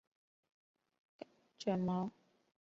卷毛豇豆为豆科豇豆属的植物。